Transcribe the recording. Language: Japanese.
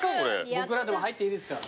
僕らでも入っていいですか？